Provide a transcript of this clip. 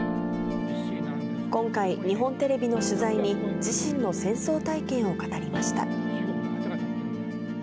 今回、日本テレビの取材に、自身の戦争体験を語りました。